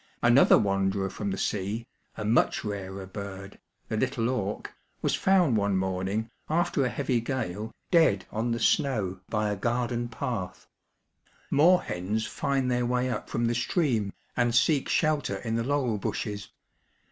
Another wimderer from the sea, a much rarer bird ŌĆö ^the little auk ŌĆö ^was found one morning, after a heavy gale, dead on the snow by a garden path. Moorhens find their way up from the stream, and seek shelter in the laurel bushes.